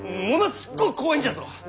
すっごう怖いんじゃぞ！